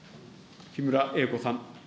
木村英子さん。